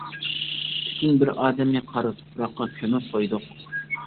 پۈتۈن بىر ئادەمنى قارا تۇپراققا كۆمۈپ قويدۇق.